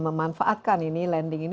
memanfaatkan ini lending ini